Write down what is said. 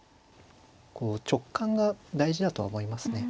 こう直感が大事だと思いますね。